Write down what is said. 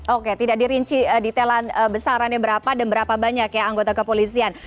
oke tidak dirinci detailan besarannya berapa dan berapa banyak ya anggota kepolisian